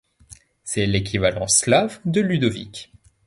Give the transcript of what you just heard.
C'est l'équivalent slave de Ludovic.